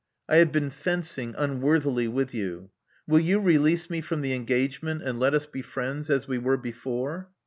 I have been fencing unworthily with you. Will you release me from the engagement, and let us be friends as we were before?"